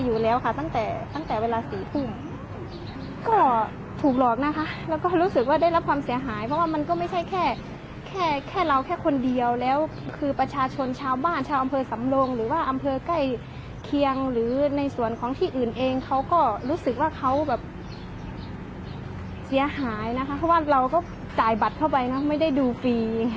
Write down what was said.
อยู่แล้วค่ะตั้งแต่ตั้งแต่เวลาสี่ทุ่มก็ถูกหลอกนะคะแล้วก็รู้สึกว่าได้รับความเสียหายเพราะว่ามันก็ไม่ใช่แค่แค่แค่เราแค่คนเดียวแล้วคือประชาชนชาวบ้านชาวอำเภอสำรงหรือว่าอำเภอใกล้เคียงหรือในส่วนของที่อื่นเองเขาก็รู้สึกว่าเขาแบบเสียหายนะคะเพราะว่าเราก็จ่ายบัตรเข้าไปเนอะไม่ได้ดูฟรี